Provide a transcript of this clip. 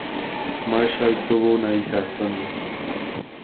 Marshall tuvo una hija, Sonya.